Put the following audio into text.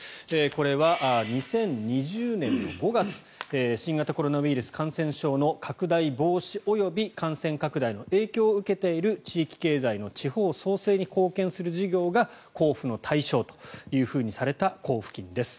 これは２０２０年の５月新型コロナウイルス感染症の拡大防止及び感染拡大の影響を受けている地域経済の地方創生に貢献する事業が交付の対象というふうにされた交付金です。